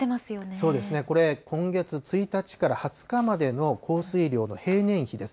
そうですね、これ今月１日から２０日までの降水量の平年比です。